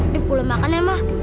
dev belum makan ya ma